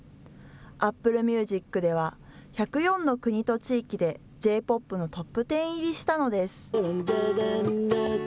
ＡｐｐｌｅＭｕｓｉｃでは、１０４の国と地域でＪｐｏｐのトップ１０入りしたのです。